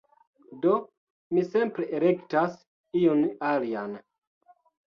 Do, mi simple elektas iun alian